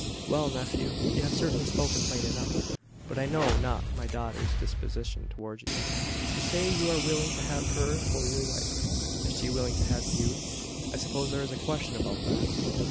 "Well, nephew; you have certainly spoken plain enough. But I know not my daughter's disposition towards you. You say you are willing to have her for your wife. Is she willing to have you? I suppose there is a question about that?"